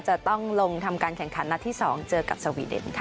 จะต้องลงทำการแข่งขันนัดที่๒เจอกับสวีเดนค่ะ